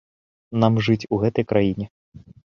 Нам жыць у гэтай краіне!